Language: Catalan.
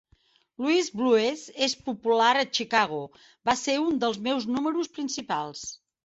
Louis Blues és popular a Chicago; va ser un dels meus números principals.